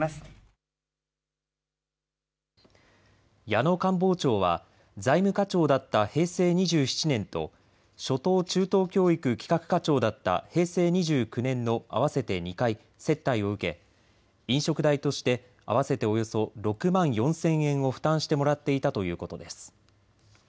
矢野官房長は財務課長だった平成２７年と初等中等教育企画課長だった平成２９年の合わせて２回接待を受け飲食代として合わせておよそ６万４０００円を負担してもらっていたということです。